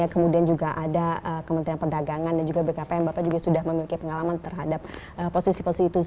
kemudian juga ada kementerian perdagangan dan juga bkpm bapak juga sudah memiliki pengalaman terhadap posisi posisi itu